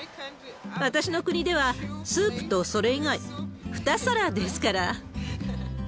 私の国では、スープとそれ以外、２皿ですから。